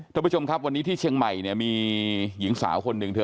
ท่านผู้ชมครับวันนี้ที่เชียงใหม่เนี่ยมีหญิงสาวคนหนึ่งเธอ